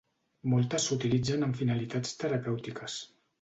Moltes s'utilitzen amb finalitats terapèutiques.